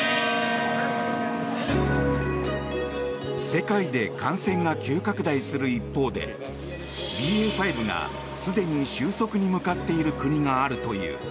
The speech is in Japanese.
世界で感染が急拡大する一方でＢＡ．５がすでに収束に向かっている国があるという。